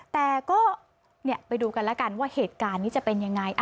แต่ก็ไปดูกันแล้วกันว่าเหตุการณ์นี้จะเป็นยังไง